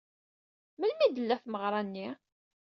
Melmi ay d-tella tmeɣra-nni?